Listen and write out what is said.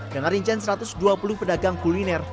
dengan rincian satu ratus dua puluh pedagang kuliner